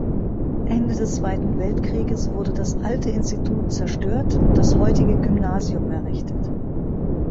Ende des Zweiten Weltkriegs wurde das alte Institut zerstört und das heutige Gymnasium errichtet.